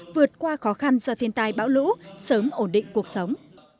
vượt qua khó khăn do thiên tai bão lũ sớm ổn định cuộc sống